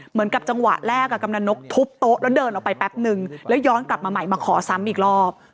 เหมือนกับจังหวะแรกกำลังนกทุบโต๊ะแล้วเดินออกไปแป๊บนึงแล้วย้อนกลับมาใหม่มาขอซ้ำอีกรอบ